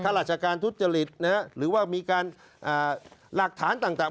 ข้าราชการทุจริตนะครับหรือว่ามีการหลักฐานต่าง